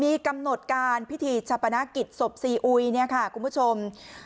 มีกำหนดการพิธีชาปนกิจศพซีอุยเนี่ยค่ะคุณผู้ชม